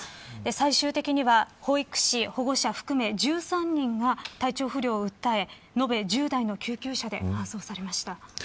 最終的には保育士、保護者含め１３人が体調不良を訴え、延べ１０台の救急車で搬送されました。